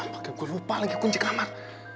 pakai gue lupa lagi kunci kamar